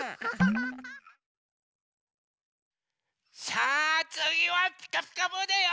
さあつぎは「ピカピカブ！」だよ。